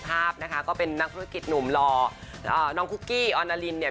เพราะว่าเราคุยกับคนนี้อย่างที่เรา